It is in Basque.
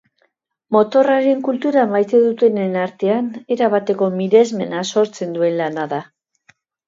Motorraren kultura maite dutenen artean erabateko miresmena sortzen duen lana da.